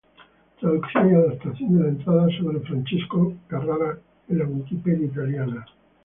Traducción y adaptación de la entrada sobre Francesco Carrara en la wikipedia italiana.